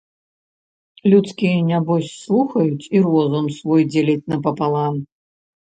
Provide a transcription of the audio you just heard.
Людскія, нябось, слухаюць і розум свой дзеляць напалам.